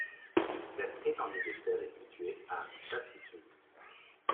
Cette étendue de sel est située à d'altitude.